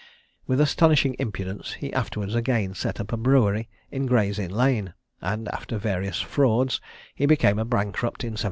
With astonishing impudence he afterwards again set up a brewery in Gray's Inn Lane; and after various frauds, he became a bankrupt in 1776.